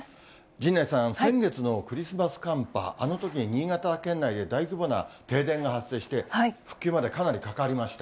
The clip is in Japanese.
陣内さん、先月のクリスマス寒波、あのとき、新潟県内で大規模な停電が発生して、復旧までかなりかかりました。